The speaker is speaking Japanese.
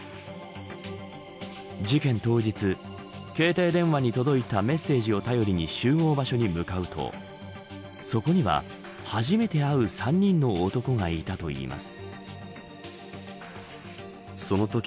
事件当日、携帯電話に届いたメッセージを頼りに集合場所に向かうとそこには、初めて会う３人の男がいたといいます。